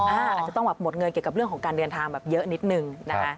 อาจจะต้องแบบหมดเงินเกี่ยวกับเรื่องของการเดินทางแบบเยอะนิดนึงนะคะ